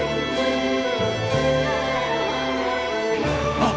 あっ！